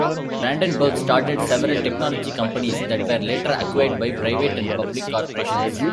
Brandenburg started several technology companies that were later acquired by private and public corporations.